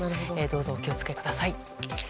どうぞお気を付けください。